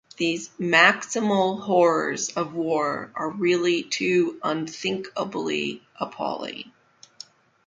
These maximal horrors of war are really too unthinkably appalling.